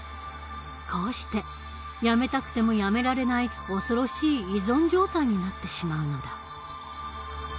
こうしてやめたくてもやめられない恐ろしい依存状態になってしまうのだ。